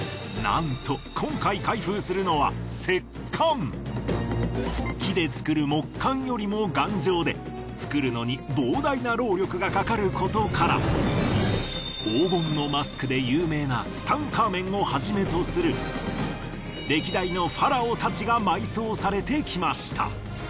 なんと木で造る木棺よりも頑丈で造るのに膨大な労力がかかることから黄金のマスクで有名なツタンカーメンをはじめとする歴代のファラオたちが埋葬されてきました。